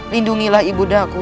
lindungilah ibu bundaku